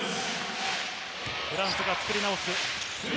フランスが作り直す。